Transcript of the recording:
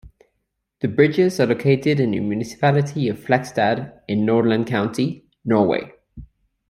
The bridges are located in the municipality of Flakstad in Nordland county, Norway.